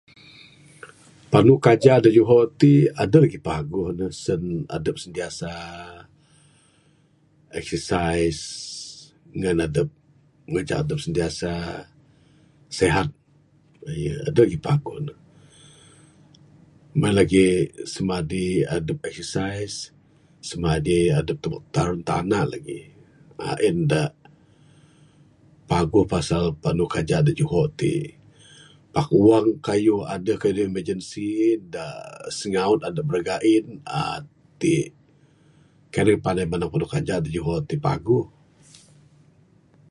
Penu kejak de juho tik edeh legi paguh ne, sen edep sentiasa, exercise, ngin edep ngencak edep sentiasa sihat, aye, edeh ih paguh ne. Mbeh legi, semadi edep exercise, semadi edep tubek terun tanak lagi, uhh en de, paguh pasal penu kejak de juhok tik.., pak wong keyuh edeh kanih emergency de singaut edep rak giin uhh tik, kanek penu kejak tik de juhok tik paguh.